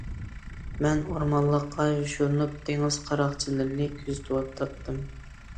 مەن ئورمانلىققا يوشۇرۇنۇپ دېڭىز قاراقچىلىرىنى كۆزىتىۋاتاتتىم.